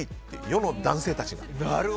世の男性たちが。